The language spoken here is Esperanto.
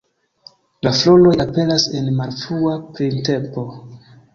La floroj aperas en la malfrua printempo.